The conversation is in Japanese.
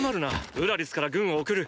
ウラリスから軍を送る。